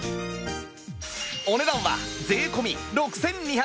お値段は税込６２８０円